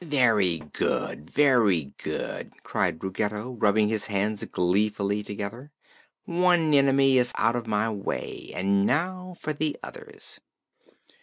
"Very good! Very good!" cried Ruggedo, rubbing his hands gleefully together. "One enemy is out of my way, and now for the others."